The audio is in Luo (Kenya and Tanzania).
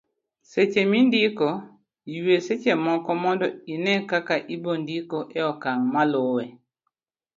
seche mindiko, ywe seche moko mondo ine kaka ibondiko e okang' maluwe